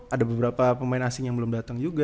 ada beberapa pemain asing yang belum datang juga